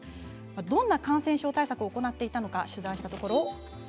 どんな感染症対策をしていたのか取材したところ。